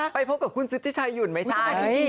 ไปพบกับคุณสุดที่ชัยหยุ่นไหมส้า